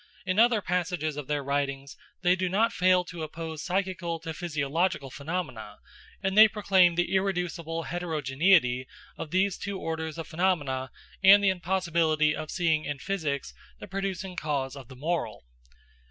In other passages of their writings they do not fail to oppose psychical to physiological phenomena, and they proclaim the irreducible heterogeneity of these two orders of phenomena and the impossibility of seeing in physics the producing cause of the moral.